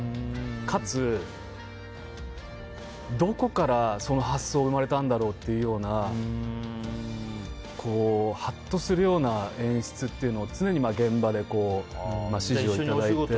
かつ、どこからその発想が生まれたんだろうというようなハッとするような演出を常に現場で指示をいただいて。